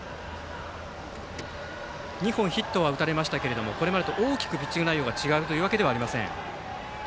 ２本、ヒットは打たれましたがこれまでと大きくピッチング内容が違うというわけではありません。